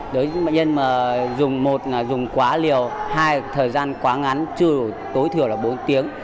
đối với bệnh nhân mà dùng một là dùng quá liều hai thời gian quá ngắn trừ tối thừa là bốn tiếng